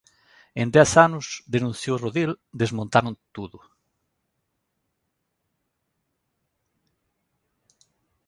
E en dez anos, denunciou Rodil, desmontaron todo.